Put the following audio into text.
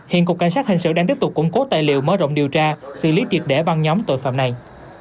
bộ cảnh sát hành xử đang tiếp tục củng cố tài liệu mở rộng điều tra xử lý triệt để băng nhóm tội phạm này